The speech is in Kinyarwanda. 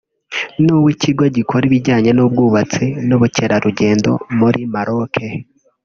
n’uw’ikigo gikora ibijyanye n’ubwubatsi n’ubukerarugendo muri Maroc